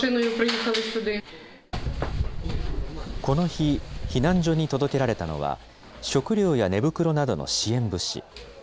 この日、避難所に届けられたのは、食料や寝袋などの支援物資。